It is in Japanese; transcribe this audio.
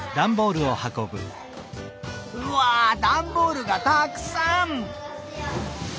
うわダンボールがたくさん！